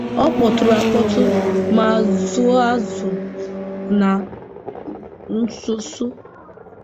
Ọ kpotụrụ akpọtụ ma zụọ azụọ na nsonso a